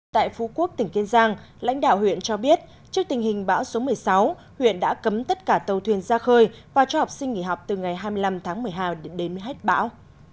tại phú quốc tỉnh kiên giang lãnh đạo huyện cho biết trước tình hình bão số một mươi sáu huyện đã cấm tất cả tàu thuyền ra khơi và cho học sinh nghỉ học từ ngày hai mươi năm tháng một mươi hai đến hết bão